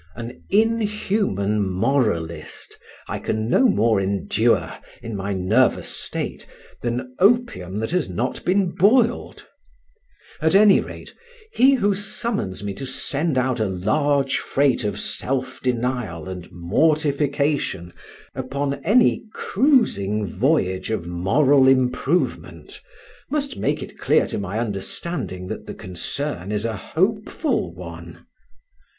An inhuman moralist I can no more endure in my nervous state than opium that has not been boiled. At any rate, he who summons me to send out a large freight of self denial and mortification upon any cruising voyage of moral improvement, must make it clear to my understanding that the concern is a hopeful one.